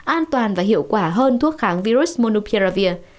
an toàn và hiệu quả hơn thuốc kháng virus monopia